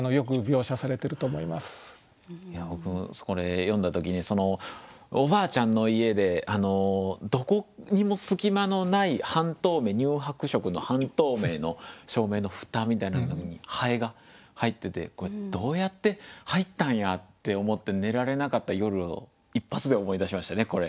僕これ読んだ時におばあちゃんの家でどこにも隙間のない乳白色の半透明の照明の蓋みたいなのに蠅が入ってて「どうやって入ったんや」って思って寝られなかった夜を一発で思い出しましたねこれ。